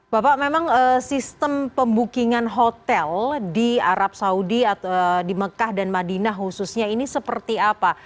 bapak memang sistem pembukingan hotel di arab saudi di mekah dan madinah khususnya ini seperti apa